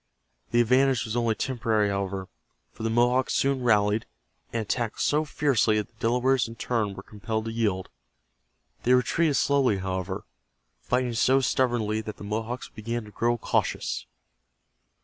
The advantage was only temporary, however, for the Mohawks soon rallied, and attacked so fiercely that the Delawares in turn were compelled to yield. They retreated slowly, however, fighting so stubbornly that the Mohawks began to grow cautious.